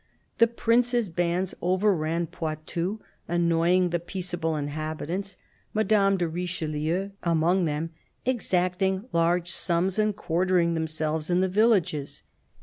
The Prince's bands overran Poitou, annoying the peaceable inhabitants, Madame de Richelieu among them, exacting large sums and quartering themselves in the villages.